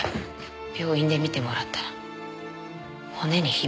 病院で診てもらったら骨にヒビが。